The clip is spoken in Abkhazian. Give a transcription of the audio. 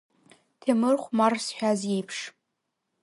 Ҭемыр хәмар зҳәаз иеиԥш.